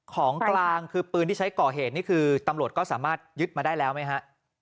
ของกลางคือปืนที่ใช้ก่อเหตุนี่คือตำรวจก็สามารถยึดมาได้แล้วไหมฮะ